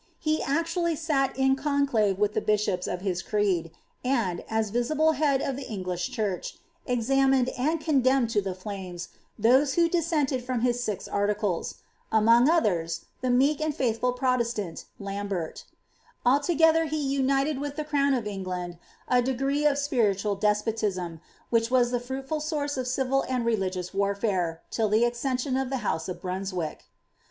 He actually sat in conclave with the bishops of his creed, and, as visible head of the EIi^ lish Church, examined, and condemned to the flames, those who dsi sented from his six articles ; among others, the meek and fiiithfiil Pro testant, Lambert Altogether he united with the crovm of England a degree of spiritual despotism, which was the fruitful source of civil and religious warfare, till the accession of the house of Brunswick.